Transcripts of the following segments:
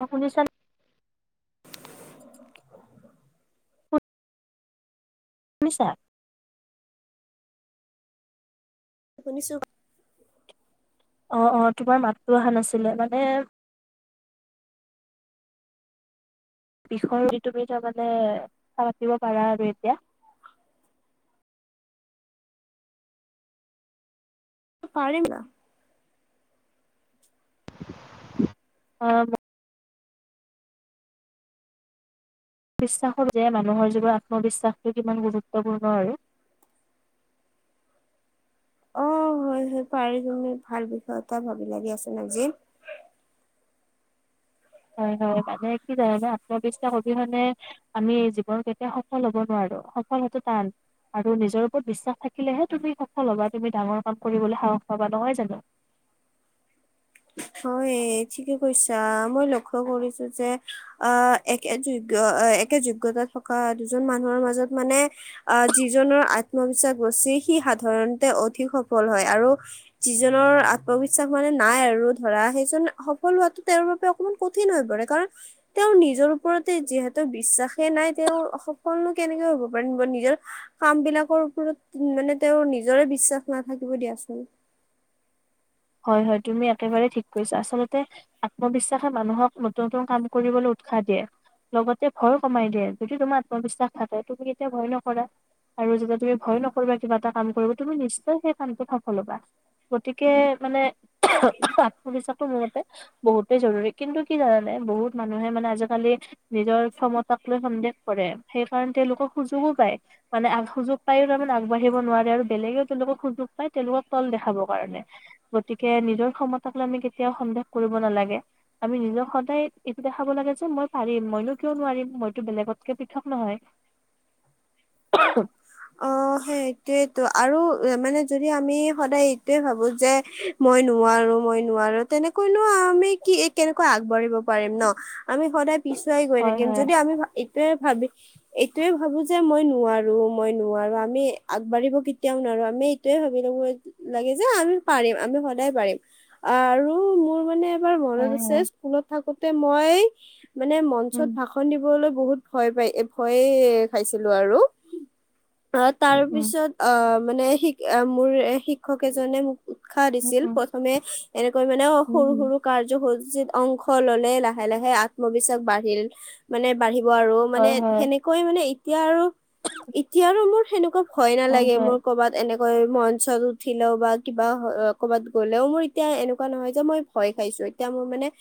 অ'! শুনিছানে? শুনিছা? শুনিছোঁ। অ অ তোমাৰ মাতটো অহা নাছিলে মানে- বিষৰ ঋতুমি তাৰমানে কথা পাতিব পাৰা আৰু এতিয়া। পাৰে না। অ- বিশ্বাসৰ যে মানুহৰ যিবোৰ আত্মবিশ্বাসটো কিমান গুৰুত্বপূৰ্ণ আৰু। অ হয় হয় পাৰি তুমি ভাল বিষয় এটা ভাবিলা দিয়াচোন আজি। হয় হয় মানে কি জানা আত্মবিশ্বাস অবিহনে আমি জীৱন কেতিয়া সফল হব নোৱাৰো। সফল হোৱাটো টান আৰু নিজৰ ওপৰত বিশ্বাস থাকিলেহে তুমি সফল হবা তুমি ডাঙৰ কাম কৰিবলৈ সাহস পাবা নহয় জানো। হয় ঠিকে কৈছা মই লক্ষ্য কৰিছো যে আহ একে যোগ্য একে যোগ্যতা থকা দুজন মানুহৰ মাজত মানে আহ যিজনৰ আত্মবিশ্বাস বেছি সি সাধাৰণতে অধিক সফল হয় আৰু যিজনৰ আত্মবিশ্বাস মানে নাই আৰু ধৰা সেইজন সফল হোৱাটো তেওঁৰ বাবে অকমান কঠিন হৈ পৰে কাৰণ তেওঁৰ নিজৰ ওপৰতে যিহেতু বিশ্বাসেই নাই তেওঁৰ সফলনো কেনেকে হব পাৰে। নিজৰ কাম বিলাকৰ ওপৰত মানে তেওঁৰ নিজৰে বিশ্বাস নাথাকিব দিয়াচোন। হয় হয় তুমি একেবাৰেই ঠিক কৈছা। আচলতে আত্মবিশ্বাসে মানুহক নতুন নতুন কাম কৰিবলৈ উৎসাহ দিয়ে। লগতে ভয় কমাই দিয়ে যদি তোমাৰ আত্মবিশ্বাস থাকে তুমি কেতিয়া ভয় নকৰা আৰু যেতিয়া তুমি ভয় নকৰিবা কিবা এটা কাম কৰিবা তুমি নিশ্চয় সেই কামটো সফল হবা। গতিকে মানে আত্মবিশ্বাসটো মোৰ মতে বহুতে জৰুৰী কিন্তু কি জানানে বহুত মানুহে মানে আজিকালি নিজৰ ক্ষমতাক লৈ সন্দেহ কৰে। সেইকাৰণে তেওঁলোকক সুযোগো পায় মানে সুযোগ পায়ও তাৰমানে আগবাঢ়িব নোৱাৰে আৰু বেলেগেও তেওঁলোকক সুযোগ পায় তেওঁলোকক তল দেখাবৰ কাৰণে। গতিকে নিজৰ ক্ষমতাক লৈ আমি কেতিয়াও সন্দেহ কৰিব নালাগে ।আমি নিজক সদায় এইটো দেখাব লাগে যে মই পাৰিম মইনো কিয় নোৱাৰিম মইতো বেলেগতকে পৃথক নহয়। অ সেইটোয়েতো, আৰু মানে যদি আমি সদায় এইটোৱে ভাবো যে মই নোৱাৰো মই নোৱাৰো তেনেকৈনো আমি কি কেনেকৈ আগবাঢ়িব পাৰিম ন আমি সদায় পিছুৱাই গৈ হয় থাকিম হয় যদি আমি এইটোয়ে ভাবি এইটোয়ে ভাবো যে মই নোৱাৰো মই নোৱাৰো আমি আগবাঢ়িব কেতিয়াও নোৱাৰো। আমি এইটোয়ে ভাবি ল'ব লাগে যে আমি পাৰিম আমি সদায় পাৰিম আৰু মোৰ মানে তোমাৰ মনত হয় আছে হয় স্কুলত থাকোতে মই মানে উম মঞ্চত ভাষণ দিবলৈ বহুত ভয় পাই ভয়ে খাইছিলো আৰু। অ উম তাৰপিছত অ মানে শি অ মোৰ শিক্ষক এজনে মোক- উৎসাহ উম দিছিল। উম প্ৰথমে এনেকৈ মানে অ উম সৰু উম সৰু কাৰ্য হ অংশ ললে লাহে লাহে আত্মবিশ্বাস বাঢ়িল, মানে বাঢ়ি আৰু হয় মানে হয় সেনেকৈ মানে এতিয়া আৰু এতিয়া আৰু মোৰ সেনেকুৱা ভয় হয় নালাগে হয় মোৰ কৰ'বাত এনেক কৈ মঞ্চত উঠিলেও বা কিবা ক'বাত গলেও মোৰ এতিয়া এনেকুৱা নহয় যে মই ভয় খাইছো, এতিয়া মোৰ মানে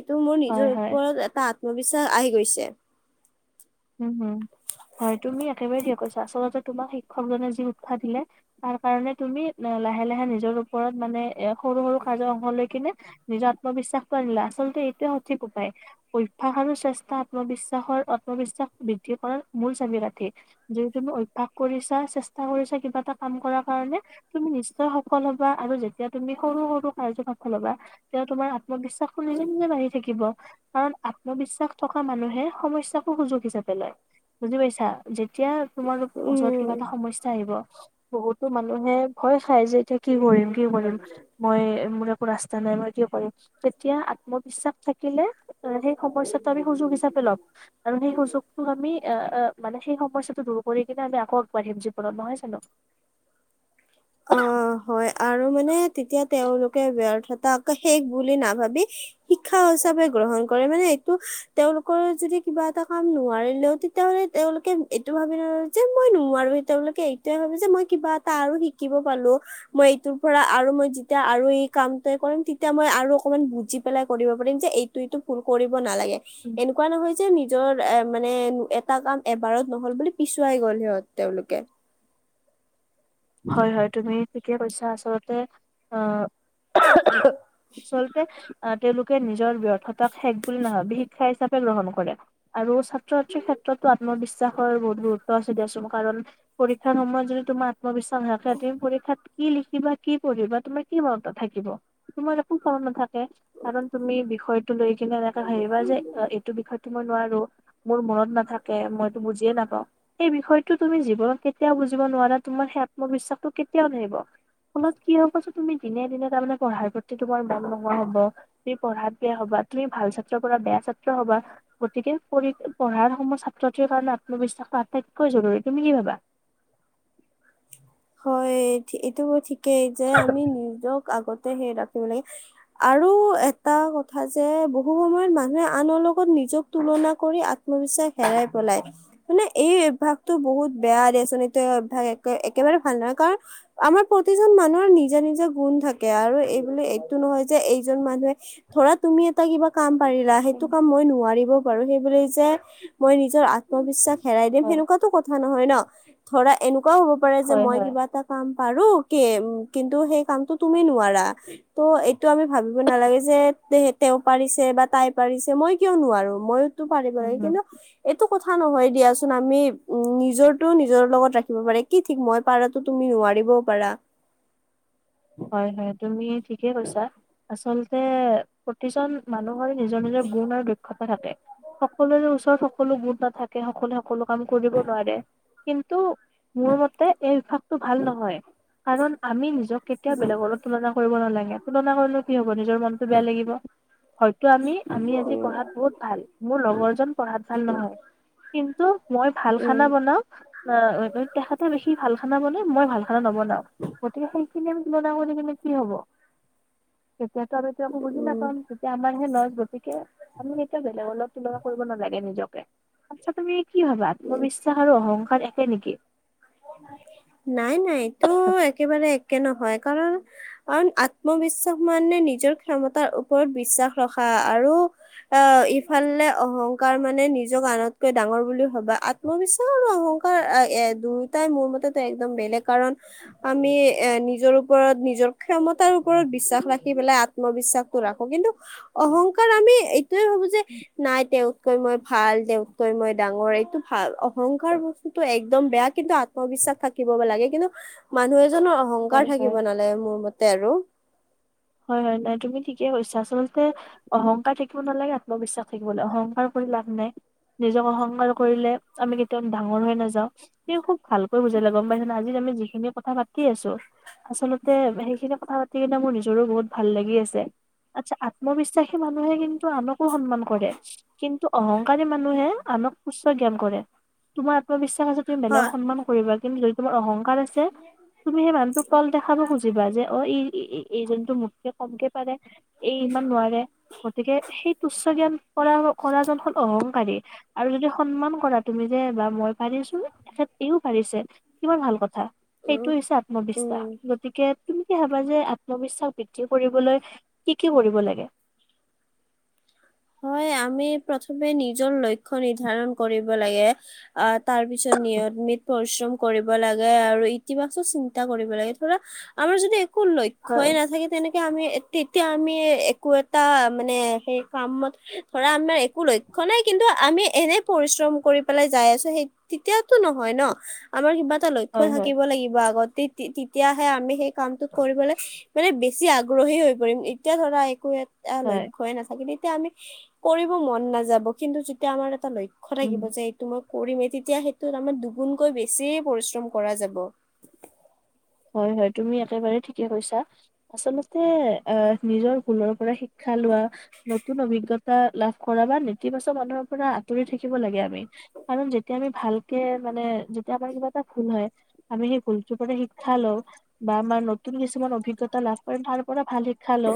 এইটো মোৰ হয় নিজৰ হয় ওপৰত এটা আ আত্মবিশ্বাস আহি গৈছে। উম হুম হয় তুমি একেবাৰে ঠিক কৈছা। আচলতে তোমাক শিক্ষকজনে যি উৎসাহ দিলে তাৰ কাৰণে তুমি লাহে লাহে নিজৰ ওপৰত মানে এ সৰু সৰু কাজৰ অংশ লৈ কিনে নিজৰ আত্মবিশ্বাসটো আনিলা। আচলতে এইটোৱে সঠিক উপায় অভ্যাস আৰু শ্ৰেষ্ঠা আত্মবিশ্বাসৰ আত্মবিশ্বাস বৃদ্ধি কৰাৰ মূল চাবি কাঠি। যদি তুমি অভ্যাস কৰিছা, চেষ্টা কৰিছা, কিবা এটা কাম কৰাৰ কাৰণে তুমি নিশ্চয় সফল হবা আৰু যেতিয়া তুমি সৰু সৰু কাৰ্যত সফল হবা। তেতিয়া তোমাৰ আত্মবিশ্বাসো নিজে নিজে বাঢ়ি থাকিব কাৰণ আত্মবিশ্বাস থকা মানুহে সমস্যাকো সুযোগ হিচাব পেলে বুজি পাইছা যেতিয়া তোমাৰ ওচৰত উম। কিবা এটা সমস্যা আহিব বহুতো মানুহে ভয় খাই যে এতিয়া কি কৰিম, কি কৰিম মই মোৰ একো ৰাস্তা নাই মই কি কৰিম তেতিয়া আত্মবিশ্বাস থাকিলে- সেই সমস্যাটো আমি সুযোগ হিচাপে লম আৰু সেই সুযোগ আমি এ মানে সেই সমস্যাটো দূৰ কৰি কিনে আমি আকৌ আগবাঢ়িম জীৱনত। নহয় জানো? অ হয় আৰু মানে তেতিয়া তেওঁলোকে ব্যৰ্থতাক শেষ বুলি নাভাবি শিক্ষা হিচাপে গ্ৰহণ কৰে মানে এইটো তেওঁলোকৰ যদি কিবা এটা কাম নোৱাৰিলেও তেতিয়াহলে তেওঁলোকে এইটো ভাবি নলয় যে মই নোৱাৰো। তেওঁলোকে এইটোয়ে ভাবে যে মই কিবা এটা আৰু [unintelligible] শিকিব পালো, মই এইটোৰ পৰা আৰু মই যেতিয়া আৰু এই কামটো কৰিম তেতিয়া মই আৰু অকমান বুজি পেলাই কৰিব পাৰিম যে এইটো এইটো ভুল কৰি নালাগে। উম, এনেকুৱা নহয় যে নিজৰ এ মানে এটা কাম এবাৰত নহল বুলি পিছুৱাই গ'ল সিহঁত তেওঁলোকে যত হয়, হয়। তুমি ঠিকে কৈছা আচলতে অ চলতে আ তেওঁলোকে নিজ নিজৰ ব্যৰ্থতাক শেষ বুলি নাভাবি শিক্ষা হিচাপে গ্ৰহণ কৰে [unintelligible] আৰু ছাত্ৰ ছাত্ৰীৰ ক্ষেত্ৰটো আত্মবিশ্বাসৰ বহুত গুৰুত্ব আছে দিয়াছো। কাৰণ পৰীক্ষাৰ সময়ত যদি তোমাৰ আত্মবিশ্বাস নাথাকে, পৰীক্ষাত কি লিখিবা, কি পঢ়িবা তোমাৰ কি মনত থাকিব। তোমাৰ একো [unintelligible] নাথাকে কাৰণ তুমি বিষয়টো লৈ কিন্তু এনেকে ভাবিবা যে এইটো বিষয়ত মই নোৱাৰো, মোৰ মনত নাথাকে, মইতো বুজিয়ে নাপাওঁ। সেই বিষয়টো তুমি জীৱনত কেতিয়াও বুজিব নোৱাৰা তোমাৰ সেই আত্মবিশ্বাসটো কেতিয়াও নাহিব। ফলত কি হব যে তুমি দিনে দিনে তাৰমানে পঢ়াৰ প্ৰতি তোমাৰ মন নোহোৱা হব, তুমি পঢ়াত বেয়া হবা, তুমি ভাল ছাত্ৰৰ পৰা বেয়া ছাত্ৰ হবা। গতিকে প পঢ়াৰ সময় ছাত্ৰ্ৰীৰ কাৰণে আত্মবিশ্বাসটো আটাইতকৈ জৰুৰী। তুমি কি ভাবা? হয় এইটো ঠিক যে আমি নিজক আগত সে ৰাখিব লাগে আৰু এটা কথা যে বহু সময়ত মানুহে আনৰ লগত নিজক তুলনা কৰি আত্মবিশ্বাস হেৰাই পেলায়। মানে এই অভ্যাসটো বহুত বেয়া দিয়াচোন। [unintelligible] একেবাৰে ভাল নহয়। কাৰণ আমাৰ প্ৰতিজন মানুহৰ নিজা-নিজা গুণ থাকে আৰু এইবো এইটো নহয় যে এইজন মানুহে ধৰা তুমি কিবা কাম এটা পাৰিলা, সেইটো কাম মই নোৱাৰিব পাৰোঁ। সেইবুলি যে মই নিজৰ আত্ম আত্মবিশ্বাস হেৰাই দিম হয় সেনেকুৱাতো কথা নহয় ন। ধৰা এনেকুৱাও হ'ব পাৰে যে হয় মই হয়। কিবা এটা কাম পাৰো কিন্তু সেই কামটো তুমি নোৱাৰা। ত' এইটো আমি ভাবিব নালাগে যে তেওঁ পাৰিছে বা তাই পাৰিছে মই কিয় নোৱাৰো? মইয়ো টো পাৰিব উম, লাগে। হম। কিন্তু এইটো কথা নহয় দিয়াচোন। আমি উম নিজৰটো নিজৰ লগত ৰাখিব পাৰি কি ঠিক মই পাৰাতো তুমি নোৱাৰিবও পাৰা। হয়, হয়। তুমি ঠিকে কৈছা আচলতে প্ৰতিজন মানুহৰে নিজৰ-নিজৰ গুণ আৰু দক্ষতা থাকে। সকলোৰে ওচৰত সকলো সকলো গুণ নাথাকে, সকলোৱে সকলো কাম কৰিব নোৱাৰে। কিন্তু মোৰ মতে এই অভ্যাসটো ভাল নহয়। কাৰণ আমি নিজকে কেতিয়াও বেলেগ লগত তুলনা কৰিব নালাগে। তুলনা কৰিলেও কি হব নিজৰ মনতটো বেয়া লাগিব হয়তো আমি আমি আজি উম পঢ়াত বহুত ভাল মোৰ লগৰজন পঢ়াত ভাল নহয় কিন তো মই ভাল উম খানা বনাওঁ। অ' তেখেতে বেশি ভাল খানা বনায়। মই ভাল খানা নবনাওঁ। গতিকে সেইখিনি বনাব দি কেনে কি হব? তেতিয়াতো আমিটো একো বুজি উম নাপাম । যেতিয়া আমাৰহে লাজ। গতিকে আমি এতিয়া বেলেগৰ অলপ তুলনা কৰিব নালাগে নিজক। আচ্ছা তুমি কি ভাবা, আত্মবিশ্বাস আৰু অহংকাৰ একে নেকি? নাই নাই এইটো একেবাৰে একে নহয় । কাৰণ- কাৰণ আত্মবিশ্বাস মানে নিজৰ ক্ষমতাৰ ওপৰত বিশ্বাস ৰখা । আৰু অ' ইফালে অহংকাৰ মানে নিজক আনতকৈ ডাঙৰ বুলি ভবা । আত্মবিশ্বাস আৰু অহংকাৰ এ- দুয়োটাই মোৰ মতেতো একদম বেলেগ কাৰণ আমি এ- নি জৰ ওপৰত, নিজৰ ক্ষমতাৰ ওপৰত বিশ্বাস ৰাখি পেলাই আত্মবিশ্বাসটো ৰাখোঁ । কিন্তু অহংকাৰ আমি টোৱে ভাবো যে, নাই তেওঁ তকৈ মই ভাল, তেওঁতকৈ মই ডাঙৰ টো ভাল । অহংকাৰ বস্তুটো একদম বেয়া। কিন্তু আত্মবিশ্বাস থাকিবব লাগে । কিন্তু মানুহ জনৰ অহংকাৰ হয় হয় থাকিব নালাগে মোৰ ম তে আৰু। হয় - হয়। নাই, তুমি ঠিকে কৈছা । আচলতে অহংকাৰ থাকিব নালাগে । আত্মবিশ্বাস থাকিব লা- অহংকাৰ কৰি লাভ নাই । নিজক অহংকাৰ কৰিলে আমি কেতিয়াও ডাঙৰ হৈ নাযাওঁ। তুমি খুব ভালকৈ বুজালা, গম পাইছা না? আজি আমি যি খিনি কথা পাতি আছোঁ আচলতে সেইখিনি কথা সেইকেইটা মোৰ জৰো বহুত ভাল লাগি আছে। আচ্ছা, আত্মবিশ্ব শ্বাসি মানুহে কিন্তু আনকো সন্মান কৰে। কিন্ তু অহং কাৰী মানুহে আনক তুচ্চ জ্ঞান কৰে । তোমাৰ আত্মবিশ্ব শ্বাস আছে, তুমি বেলেগক হয় সন্মান কৰিবা। কিন্তু যদি তোমাৰ অহংকাৰ আ ছে, তুমি সেই মানুহটোক তল দেখাব খুজিবা যে অ' ই ই- ই- এইজনটো মোতকে কমকে পাৰে, এই ইমান নোৱাৰে। গতিকে সেই তুচ্চ জ্ঞান কৰা- কৰাজন স- অহংকাৰী । আৰু যদি সন্মান কৰা, তুমি যে বা মই পাৰিছোঁ, তেখেত এইও পাৰিছে, কিমান ভাল কথা সেইটো উম হৈছে আত্মবিশ্বাস উম । গতিকে তুমি কি ভাবা যে আ ত্মবিশ্বাস বৃদ্ধি কৰিবলৈ কি - কি কৰিব লাগে? হয়। আমি প্ৰথমে নিজৰ লক্ষ্য নিৰ্দ্ধাৰণ কৰিব লাগে। অ' তাৰ পিছত নিয়তমিত পৰিশ্ৰম কৰিব লাগে আৰু ইতিবাচক চিন্তা কৰিব লাগে ধৰা আমাৰ যদি একো হয় লক্ষ্যই নাথাকে তেনে আমি তেতিয়া আমি একো এটা মানে সেই কামত ধৰা আমাৰ একো লক্ষ্য নাই কিন্তু আমি এনে পৰিশ্ৰম কৰি পেলাই যাই আছো সেই তেতিয়াতো নহয় ন আমাৰ কিবা এটা লক্ষ্য হয় হয় থাকিব লাগিব আগত তি তি তেতিয়াহে আমি সেই কামটোত কৰিবলৈ মানে বেছি আগ্ৰহী হৈ পৰিম এতিয়া ধৰা একো এ হয় লক্ষ্যই নাথাকে দি তেতিয়া আমি কৰিব মন নাযাব কিন্তু যেতিয়া আমাৰ এটা লক্ষ্য উম থাকিব যে এইটো মই কৰিমে তেতিয়া সেইটোত আমাৰ দুগুণকৈ বেছি পৰিশ্ৰম কৰা যাব হয় হয় তুমি একেবাৰে ঠিকে কৈছা আচলতে অহ নিজৰ ভুলৰ পৰা শি ক্ষা লোৱা নতুন অভিজ্ঞতা লাভ কৰা বা নেতিবাচক মানুহৰ পৰা আঁতৰি থাকিব লাগে আমি কাৰণ যেতিয়া আমি ভালকে মানে যেতিয়া আমাৰ কিবা এটা ভুল হয় আমি সেই ভুলটোৰ পৰা শি- ক্ষা লও বা আমাৰ নতুন কিছুমান অভিজ্ঞতা লাভ কৰি তাৰ পৰা ভাল শি ক্ষা লও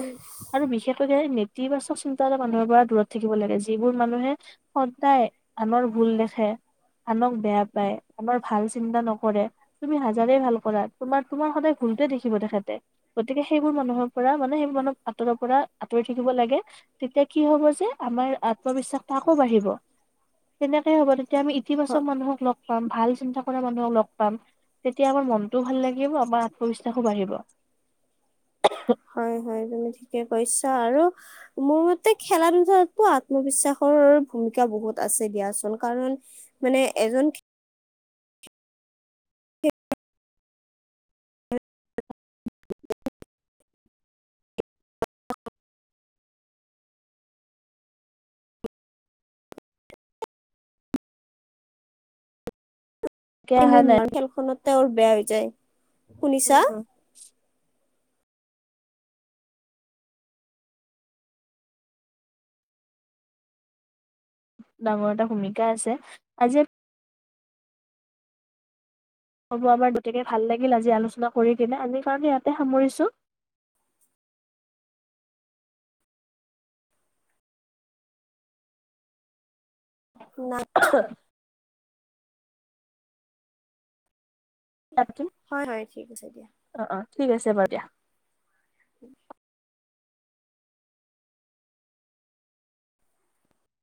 আৰু বিশেষককে ইতিবাচক চিন্তা এটা মানুহৰ পৰা দূৰত থাকিব লাগে যিবোৰ মানুহে সদায় আনৰ ভুল দেখে আনক বেয়া পায় আনৰ ভাল চিন্তা নকৰে তুমি হাজাৰে ভাল কৰা তোমাৰ তোমাৰ সদায় ভুলতে দেখিব তেখেতে গতিকে সেইবোৰ মানুহৰ পৰা মানে সেই মানুহ আঁতৰৰ পৰা আঁতৰি থাকিব লাগে তেতিয়া কি হব যে আমাৰ আত্মবিশ্বাসতো আকৌ বাঢ়িব তেনেকেই হব এতিয়া আমি ইতিবাচক মানুহক লগ পাম ভাল চিন্তা পৰা মানুহক লগ পাম তেতিয়া আমাৰ মন টো ভাল লাগিব আমাৰ আত্মবিশ্বাসো বাঢ়িব হয় হয় তুমি ঠিকে কৈছা আৰু মোৰ মতে খেলা ধূলাতো আত্মবিশ্বাসৰ ভূমিকা বহুত আছে দিয়াচোন কাৰণ মানে এজন এক এতিয়া এই মোৰ ন খেলখনত তেওঁৰ বেয়া হৈ যায় উম শুনিছা? হম ডাঙৰ এটা ভূমিকা আছে আজি হ'ব আমাৰ গতিকে ভাল লাগিল আজি আলোচনা কৰি কিনে আমি কাৰণে ইয়াতে সামৰিছোঁ। নাই না হয় হয় ঠিক আছে দিয়া অ অ ঠিক আছে বাৰু দিয়া